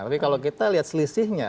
tapi kalau kita lihat selisihnya